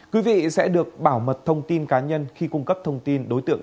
quý vị sẽ được bảo mật thông tin cá nhân khi cung cấp thông tin đối tượng